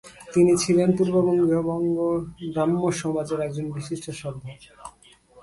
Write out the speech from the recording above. তিনি ছিলেন পূর্ববঙ্গীয় ব্রাহ্মসমাজের একজন বিশিষ্ট সভ্য।